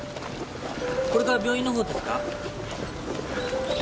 これから病院のほうですか？